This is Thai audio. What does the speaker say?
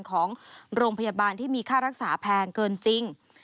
ของโรงพยาบาลที่มีค่ารักษาแพงเกินจริง